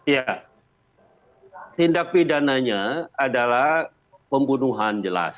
ya tindak pidananya adalah pembunuhan jelas